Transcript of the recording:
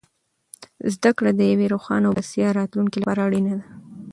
زده کړه د یوې روښانه او بسیا راتلونکې لپاره اړینه ده.